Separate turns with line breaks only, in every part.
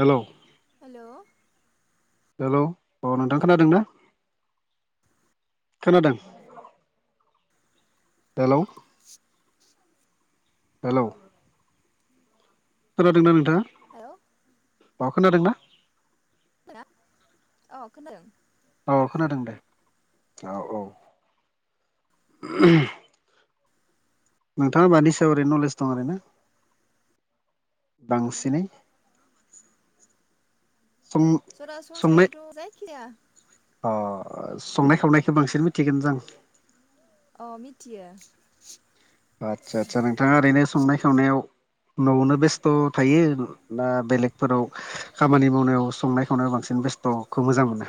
Hello
hello
hello औ नोंथां खोनादों ना खोनादों हेल' हेलौ खोनादोंना नोंथाङा?
हेल'
अ' खोनादोंना?
[unintelligible] अ खोनादों
अ खोनादों दे औ औ नोंथाङा मानि सायाव ओरै नलेज दं। आरोना बांसिनै सं संनाय
सरासनस्रायैथ' जायखिजाया
अ संनाय खावनायखौ बांसिन मिथिगोन दां
अ मिथियो।
आदसा आदसा नोंथाङा ओरैनो संनाय खावनायाव न'आवनो बेस्थ' थायो ना बेलेगफोराव खामानि मावनायाव संनाय खावनायाव बांसिन बेस्थ'खौ मोजां मोनो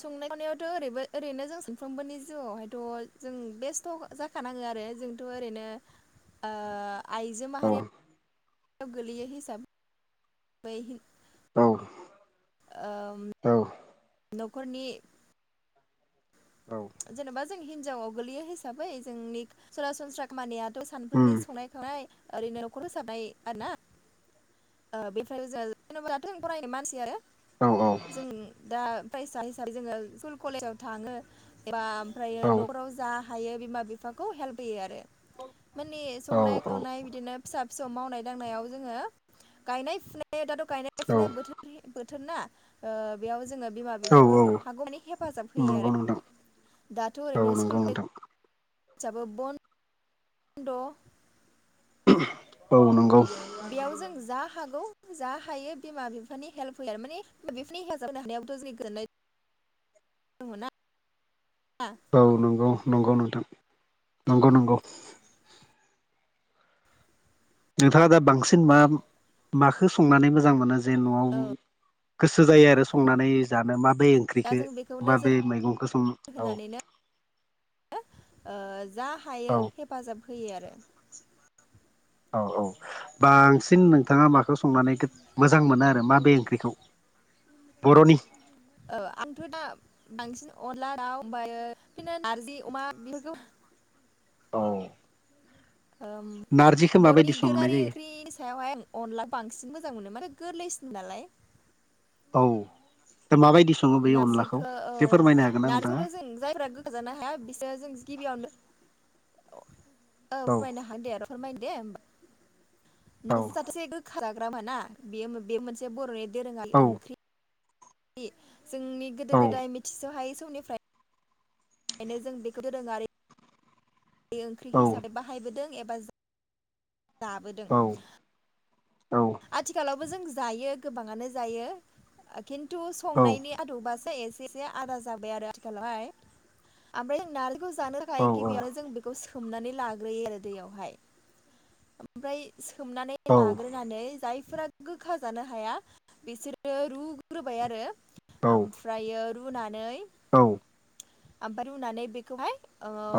संनाय खावनायावथ' ओरै ओरैनो जों सानफ्रोमबोनि जिउआव हायथ' जों बेस्थ' जा खानाङो आरो जोंथ' ओरैनो ओ आइजो
औ
माहारियाव गोलैयो हिसाबै
औ
ओम न'खरनि
औ
जेनेबा जों हिनजावाव गोलैयो हिसाबै जोंनि सरासनस्रा खामानिया थ'
उम
सानफ्रोमनि संनाय खावनाय ओरैनो न'खराव साबनाय आरोना [unintelligible]
औ औ
जों दा फैसा हिसाबै जोङो स्कुल कलेजाव थाङो एबा ओमफ्रायो
औ औ
न'खराव जा हायो बिमा बिफाखौ हेल्प होयो आरो माने संनाय खावनाय बिदिनो फिसा फिसौ मावनाय दांनायाव जोङो गायनाय फुनाय दाथ' गायनाय
औ
फुनाय बोथोरनि बोथोर ना ओ बेयाव जोङो बिमा
औ औ
बिफाङाव हागौमानि हेफाजाब होयो
नंगौ
आरो
नोंथां
दाथ' ओरैनो
औ नंगौ
सिकुल
नोंथां
[unintelligible] द'
औ नंगौ
बेयाव जों जा हागौ जा हायो बिमा बिफानि हेल्प होयो आरो माने [unintelligible] हानायाथ' [unintelligible] गोननाय दङ'ना आ
औ नंगौ नंगौ नोंथां नंगौ नंगौ नोंथाङा दा बांसिन मा माखौ संनानै मोजां मोनो जे न'आव
औ
गोसो जायो आरो संनानै जानो माबे
दा
ओंख्रिखौ
जों बेखौ नोजोर
माबे मैगंखौ स औ
होनानैनो जा
औ
हायो हेफाजाब होयो आरो
औ औ बांसिन नोंथाङा माखौ संनानै मोजां मोनो आरो मा बे ओंख्रिखौ बर'नि
ओ आंथ' दा बांसिन अनला दाउ ओमफ्रायो बिदिनो नारजि अमा बेफोरखौ
औ
बर'नि
माबायदि संनाय
दोरोङारि
जायो
ओंख्रिनि सायावहाय आं अनला बांसिन मोजां मोनो माने गोरलैसिन नालाय
औ दा माबायदि सङो बे अनलाखौ
नारजिखौ औ
एसे फोरमायनो हागोन ना नोंथाङा
नारजिखौथ' जों जायफ्रा गोखा जानो हाया बिसोरो जों गिबियावनो औ फोरमायनो हागोन दे आरो फोरमायनो दे
औ
होनबा [unintelligible] [unintelligible] ना बेयो बे मोनसे बर'नि दोरोङारि
औ
ओंख्रि जोंनि गोदो गोदाय मिथिस'हायै समनिफ्राय ओंखायनो जों बेखौ दोरोङारि ओंख्रि
औ
हिसाबै बाहायबोदों एबा जाबोदों
औ औ
आथिखालावबो जों जायो गोबाङानो जायो खिन्थु
औ
संनायनि आदबासो एसे एसे आदा जाबाय आरो आथिखालावहाय आमफाय नारजिखौ जानो था
औ
खाय गिबियावनो जों सोमनानै लाग्रोयो आरो दैयाव हाय ओमफाय सोमना लाग्रो होननानै जायफोरा गोखा जानो हाया बिसोरो रुग्रोबाय आरो ओमफ्रायो रुनानै
औ
ओमफाय रुनानै बेखौहाय
औ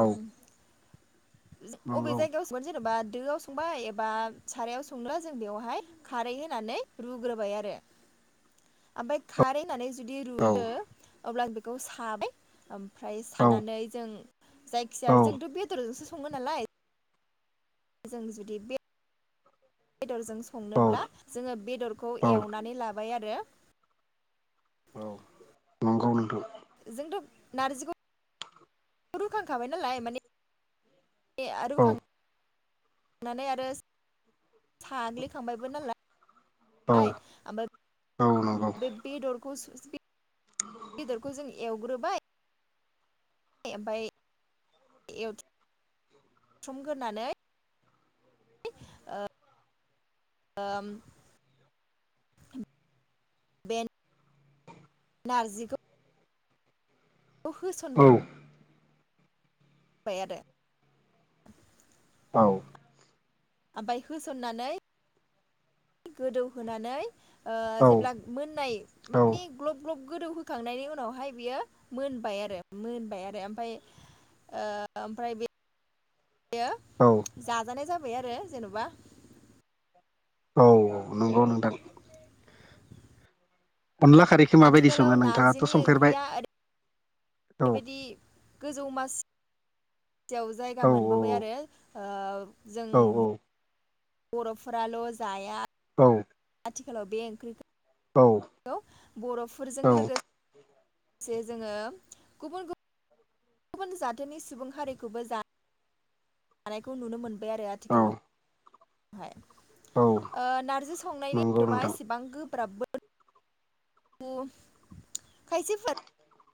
अबे
नंगौ औ
जायगायाव संगोन जेनेबा दोआव संबाय एबा सारायाव संला जों बेयावहाय खारै होनानै रुग्रोबाय आरो ओमफाय खारै होनानै जुदि रुयो
औ
अब्ला बेखौ साबाय ओमफ्राय सानानै जों जायखिजाया
औ
जोंथ' बेदरजोंसो सङो नालाय जों जुदि बे बेदरजों संनोब्ला जोङो बेदरखौ
औ
एवनानै लाबाय आरो
औ नंगौ नोंथां
जोंथ' नारजिखौ रुखांखाबाय नालाय माने रुखां नानै आरो साग्लिखांबायबो नालाय ओमफाय
औ
बे बेदरखौ सु बेदरखौ जों एवग्रोबाय ओमफाय एवथम ग्रोनानै ओ ओम बे नारजिखौ ओ होस
औ
बाय आरो
औ नंगौ औ औ औ
ओमफाय होसननानै गोदौहोनानै ओ जेब्ला मोननाय माने
औ
ग्लब ग्लब गोदौहोखांनायनि उनावहाय बियो मोनबाय आरो मोनबाय आरो ओमफ्राय ओ ओमफ्राय बे बेयो
औ
जाजानाय जाबाय आरो जेन'बा
औ नंगौ नोंथां। अनला खारैखौ माबायदि
आथिखालाव
सङो नोंथाङाथ'
नारजिनि
संफेरबाय? औ
बेबायदि गोजौ मासि याव जायगा
औ
मोनबोबाय आरो ओ जों
औ
बर'फोराल' जाया
औ
आथिखालाव बे ओंख्रिखौ खौ‌ बर'फोरजों
औ
लोगोसे लोगोसे जोङो गुबुन गुबुन गुबुन जाथोनि सुबुं हारिखौबो जा जानायखौ नुनो मोनबाय आरो
औ
आथिखालाव। हाय
औ
ओ नारजि संनायनि
नंगौ
आदबा
नोंथां
एसेबां गोब्राबबो उम खायसे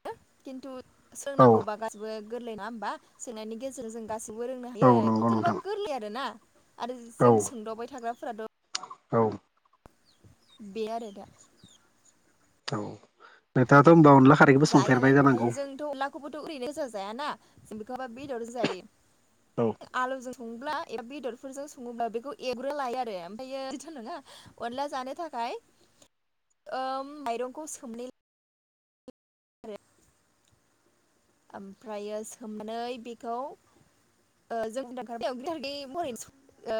[unintelligible] खिन्थु
औ
सोंनांगौबा गा गासिबो गोरलै नङा होमबा सोंनायनि गेजेरजों जों गासिबो रोंनो
औ
हायो
नंगौ
जेनेबा
नोंथां
गोरलै आरोना। आरो
औ
जों सोंदावबाय थाग्राफोराथ'
औ
बे आरो दा।
औ नोंथाङाथ' होनबा अनला खारैखैबो संफेरबाय जानांगौ?
बेखौबोथ' ओरैनो गोजो जायाना जों बेखौबो बेदरजों जायो।
औ
आलुजों सङोब्ला एबा बेदरफोरजों सङोब्ला बेखौ एवग्रोना लायो आरो ओमफ्रायो बिदिथ' नङा अनला जानो थाखाय ओ माइरंखौ सोमनानै ला ओमफ्रायो सोमनानै बेखौ [unintelligible]